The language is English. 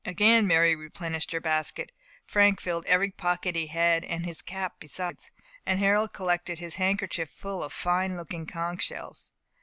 Again Mary replenished her basket, Frank filled every pocket he had, and his cap besides, and Harold collected his handkerchief full of fine looking conch shells.